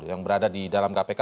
yang berada di dalam kpk